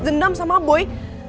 dendam sama boy